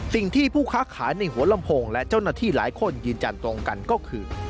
สิ่งที่ผู้ค้าขายในหัวลำโพงและเจ้าหน้าที่หลายคนยืนยันตรงกันก็คือ